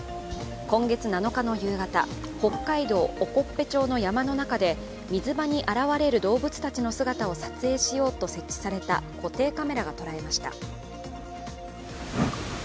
今月７日の夕方、北海道興部町の山の中で水場に現れる動物たちの姿を撮影しようと設置された固定カメラがとらえました。